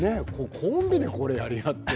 コンビでこれをやり合って。